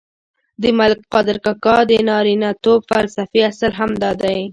د ملک قادر کاکا د نارینتوب فلسفې اصل هم دادی.